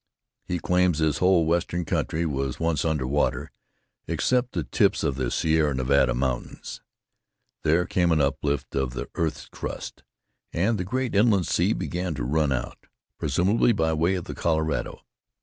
He claims this whole western country was once under water, except the tips of the Sierra Nevada mountains. There came an uplift of the earth's crust, and the great inland sea began to run out, presumably by way of the Colorado.